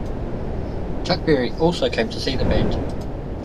Chuck Berry also came to see the band.